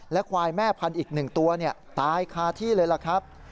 และควายแม่พันอีก๑ตัวตายคาที่เลยครับ